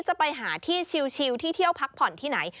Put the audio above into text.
จะไปหาที่ชิวที่เที่ยวพักผ่อนที่ไหน